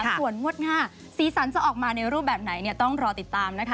ส่วนงวดหน้าสีสันจะออกมาในรูปแบบไหนต้องรอติดตามนะคะ